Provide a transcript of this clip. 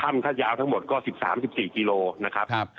ถ้ำถ้ายาวทั้งหมดก็๑๓๑๔กิโลนะครับ